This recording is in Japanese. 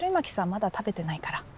まだ食べてないから。